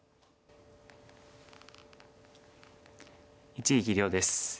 一力遼です。